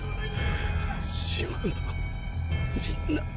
島のみんな。